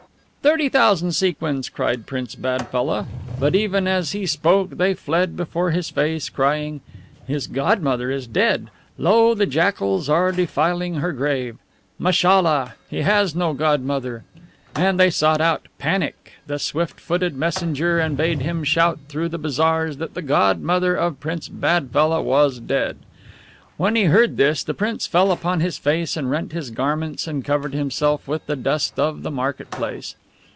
"Thirty thousand sequins," cried Prince BADFELLAH; but even as he spoke they fled before his face, crying: "His godmother is dead. Lo, the jackals are defiling her grave. Mashalla! he has no godmother." And they sought out PANIK, the swift footed messenger, and bade him shout through the bazaars that the godmother of Prince BADFELLAH was dead. When he heard this, the prince fell upon his face, and rent his garments, and covered himself with the dust of the market place.